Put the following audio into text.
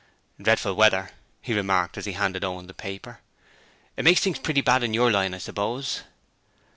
'Dreadful weather,' he remarked as he handed Owen the paper. 'It makes things pretty bad in your line, I suppose?'